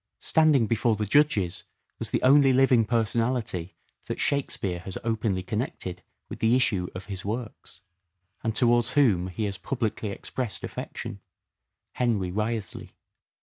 Standing before the judges was the only living personality that " Shakespeare " has openly connected with the issue of his works, and towards whom he has publicly expressed affection : Henry Wriothesley.